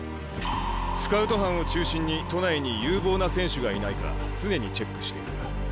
スカウト班を中心に都内に有望な選手がいないか常にチェックしている。